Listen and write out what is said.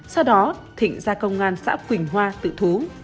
sau đó thịnh ra công an xã quỳnh hoa tự thú